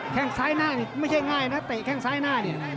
แค่งซ้ายหน้านี่ไม่ใช่ง่ายนะเตะแข้งซ้ายหน้าเนี่ย